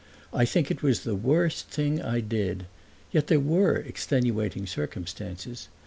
I think it was the worst thing I did; yet there were extenuating circumstances.